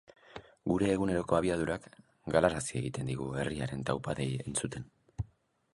Gure eguneroko abiadurak galarazi egiten digu herriaren taupadei entzuten.